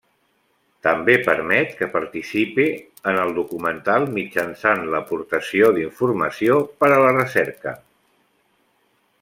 També permet que participe en el documental mitjançant l'aportació d'informació per a la recerca.